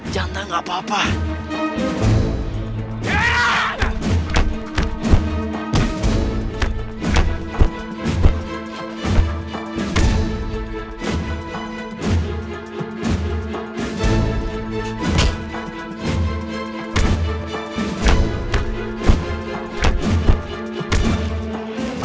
janda gak apa apa